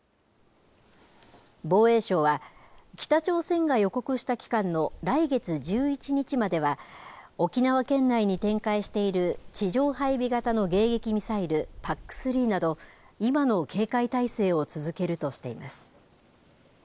防衛省は、北朝鮮が予告した期間の来月１１日までは、沖縄県内に展開している地上配備型の迎撃ミサイル、ＰＡＣ３など、今の警戒態勢を続けるとしています。